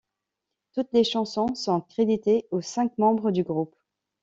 Toutes les chansons sont créditées aux cinq membres du groupe.